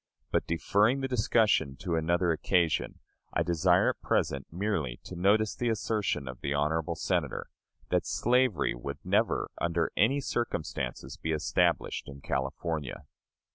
But, deferring the discussion to another occasion, I desire at present merely to notice the assertion of the honorable Senator, that slavery would never under any circumstances be established in California.